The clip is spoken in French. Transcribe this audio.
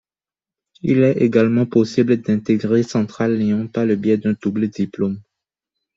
Il est également possible d’intégrer Centrale Lyon par le biais d’un double-diplôme.